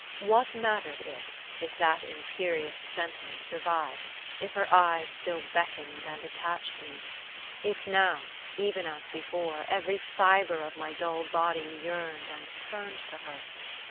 What mattered it, if that imperious sentiment survived; if her eyes still beckoned and attached me; if now, even as before, every fibre of my dull body yearned and turned to her?